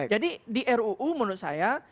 jadi di ruu menurut saya